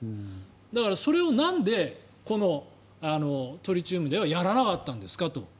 だからそれをなんでこのトリチウムではやらなかったんですかと。